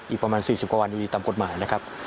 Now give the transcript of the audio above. อีกประมาณ๔๐กว่าวันอยู่ดีตามกฎหมายนะครับ